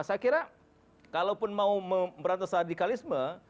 saya kira kalaupun mau merantas radikalisme